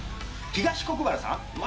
東国原さん